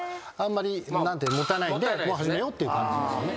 もう始めようっていう感じですよね。